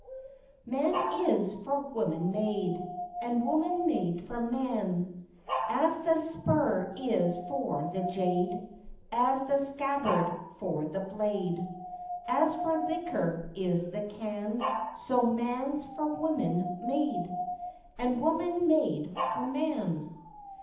Man is for woman made, And woman made for man; As the spur is for the jade, As the scabbard for the blade, As for liquor is the can, So man's for woman made, And woman made for man.